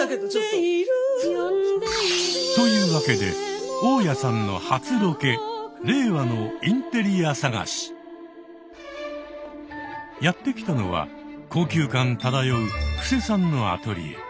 「呼んでいる」というわけでやって来たのは高級感漂う布施さんのアトリエ。